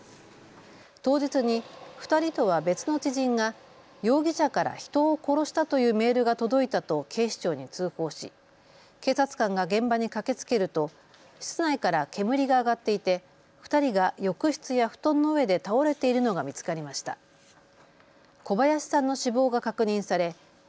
当日に２人とは別の知人が容疑者から人を殺したというメールが届いたと警視庁に通報し警察官が現場に駆けつけると室内から煙が上がっていて２人が浴室や布団の上で倒れているのが見つかりました。